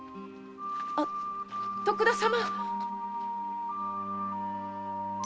あ徳田様！